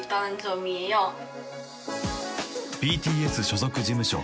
ＢＴＳ所属事務所